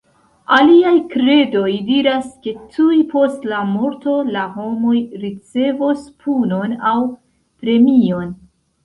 Aliaj kredoj diras ke tuj post la morto, la homoj ricevos punon aŭ premion.